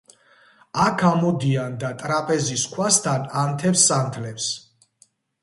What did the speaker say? აქ ამოდიან და ტრაპეზის ქვასთან ანთებს სანთლებს.